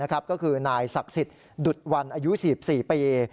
ก็คือนายศักดิ์สิทธิ์ดุดวันอายุ๔๔ปี